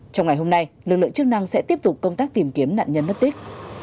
trong ngày hôm nay lực lượng chức năng sẽ tiếp tục công tác tìm kiếm nạn nhân mất tích